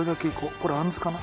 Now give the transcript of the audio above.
これあんずかな。